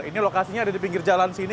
ini lokasinya ada di pinggir jalan sini